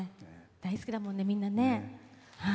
大好きだもんね、みんなね。